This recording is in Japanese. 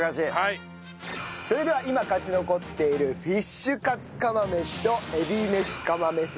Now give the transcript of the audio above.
それでは今勝ち残っているフィッシュカツ釜飯とえびめし釜飯。